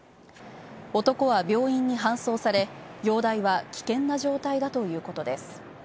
男は病院に搬送され容体は危険な状態だということです。